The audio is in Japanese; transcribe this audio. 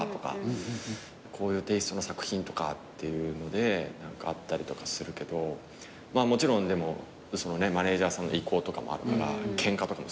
「こういうテイストの作品とか」っていうのであったりとかするけどもちろんマネジャーさんの意向とかもあるからケンカとかもするし。